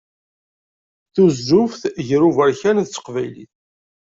Tuzzuft gar uberkan d teqbaylit.